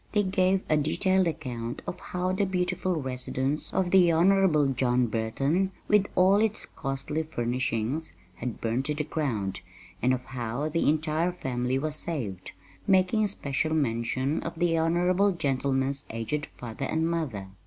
They gave a detailed account of how the beautiful residence of the Honorable John Burton, with all its costly furnishings, had burned to the ground, and of how the entire family was saved, making special mention of the honorable gentleman's aged father and mother.